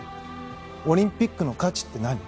オリンピックの価値って何？